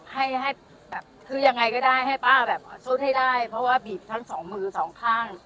ให้ให้แบบคือยังไงก็ได้ให้ป้าแบบสู้ให้ได้เพราะว่าบีบทั้งสองมือสองข้าง